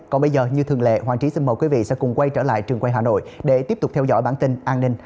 còn bây giờ như thường lệ hoàng trí xin mời quý vị sẽ cùng quay trở lại trường quay hà nội để tiếp tục theo dõi bản tin an ninh hai mươi bốn h